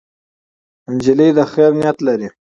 نجلۍ د خیر نیت لري.